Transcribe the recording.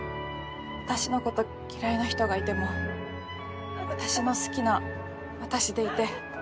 私のこと嫌いな人がいても私の好きな私でいて。